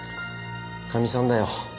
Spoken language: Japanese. かみさんだよ。